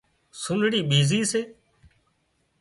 سانئڙي ٻيهي سي